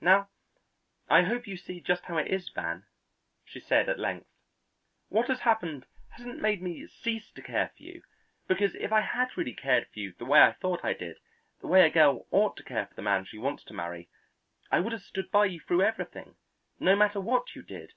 "Now, I hope you see just how it is, Van," she said at length. "What has happened hasn't made me cease to care for you, because if I had really cared for you the way I thought I did, the way a girl ought to care for the man she wants to marry, I would have stood by you through everything, no matter what you did.